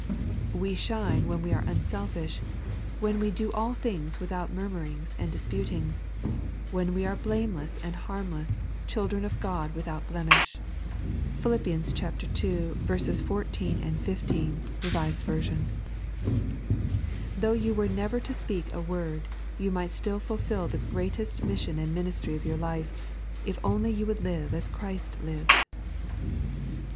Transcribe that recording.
We shine when we are unselfish, when we " do all things without murmurings and dis putings "; when we are " blameless and harmless, children of Ood without blemish " (Phil. ii. 14, 15, r.v.). Though you were never to speak a word, you might still fulfil the greatest mission and ministry of your life, if only you would live as Christ lived.